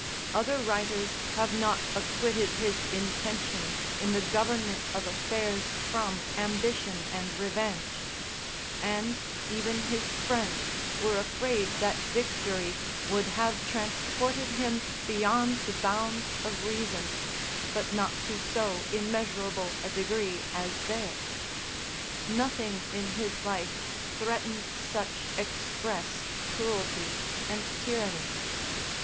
Other writers have not acquitted his intention in the government of affairs from ambition and revenge; and even his friends were afraid that victory would have transported him beyond the bounds of reason, but not to so immeasurable a degree as theirs; nothing in his life threatened such express cruelty and tyranny.